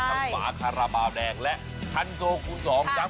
ทั้งฝาคาราบาวแดงและทันโซคุณสองนะครับ